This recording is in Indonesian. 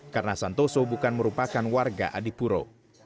karena santoso bukan merupakan warga adipuro